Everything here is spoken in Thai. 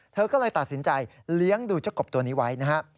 เธอก็เลยตัดสินใจเลี้ยงดูเจ้ากบตัวนี้ไว้นะครับ